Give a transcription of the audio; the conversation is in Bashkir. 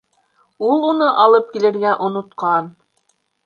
Ул уны алып килергә онотҡан.